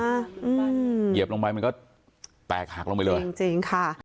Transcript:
ติดเตียงลูกสาวต้องโทรศัพท์ไปหาคนมาช่วย